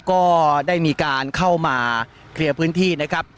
ก็ได้มีการเข้ามาเคลียร์พื้นที่นะครับ